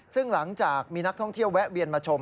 ซึ่งหลังจากมีนักท่องเที่ยวแวะเวียนมาชม